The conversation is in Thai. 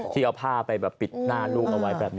ที่เอาผ้าไปปิดหน้าลูกเอาไว้แบบนี้